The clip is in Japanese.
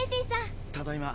ただいま。